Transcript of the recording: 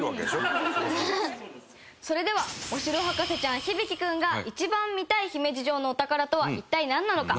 それではお城博士ちゃん響大君が一番見たい姫路城のお宝とは一体なんなのか？